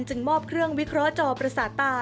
มอบเครื่องวิเคราะห์จอประสาทตา